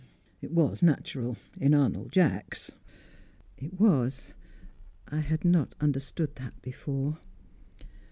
"It was natural in Arnold Jacks." "It was. I had not understood that before."